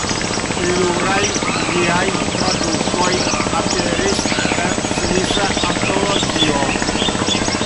Pluraj liaj tradukoj aperis en Svisa antologio.